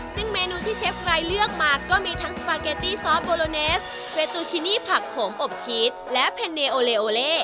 ซึ่งเมนูที่เชฟไรเลือกมาก็มีทั้งสปาเกตตี้ซอสโบโลเนสเบตูชินีผักโขมอบชีสและเพนเนโอเลโอเล่